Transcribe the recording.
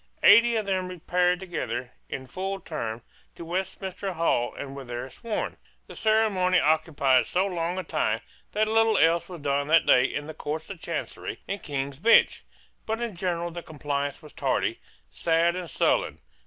Eighty of them repaired together, in full term, to Westminster Hall, and were there sworn. The ceremony occupied so long a time that little else was done that day in the Courts of Chancery and King's Bench, But in general the compliance was tardy, sad and sullen.